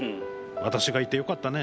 私がいて、よかったね。